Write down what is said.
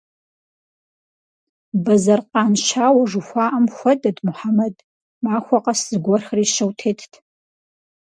Бэзэр къан щауэ жыхуаӀэм хуэдэт Мухьэмэд: махуэ къэс зыгуэрхэр ищэу тетт.